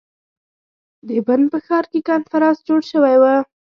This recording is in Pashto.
د بن په ښار کې کنفرانس جوړ شوی ؤ.